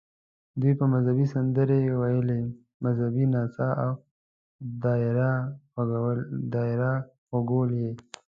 دوی به مذهبي سندرې ویلې، مذهبي نڅا او دایره غږول یې.